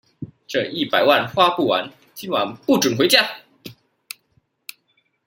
這一百萬花不完，今晚不准回家